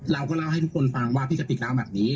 เราก็เล่าให้ทุกคนฟังว่าพี่กติกเล่าแบบนี้